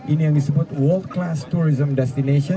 ini yang disebut world class tourism destination